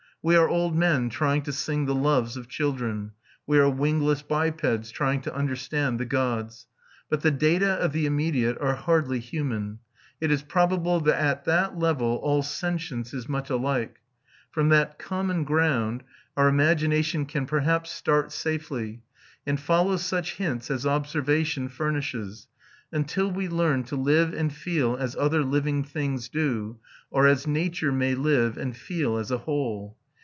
We are old men trying to sing the loves of children; we are wingless bipeds trying to understand the gods. But the data of the immediate are hardly human; it is probable that at that level all sentience is much alike. From that common ground our imagination can perhaps start safely, and follow such hints as observation furnishes, until we learn to live and feel as other living things do, or as nature may live and feel as a whole.